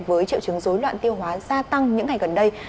với triệu chứng dối loạn tiêu hóa gia tăng những ngày gần đây